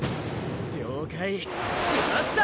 了解しました！